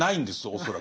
恐らく。